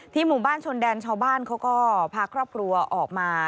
หมู่บ้านชนแดนชาวบ้านเขาก็พาครอบครัวออกมา